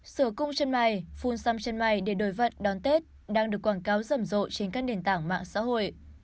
sửa cung chân mày phun xăm chân mày để đổi vận đón tết đang được quảng cáo rầm rộ trên các nền tảng mạng xã hội